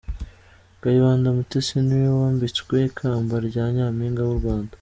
Kayibanda Mutesi niwe wambitswe ikamba rya nyaminga W’uRwanda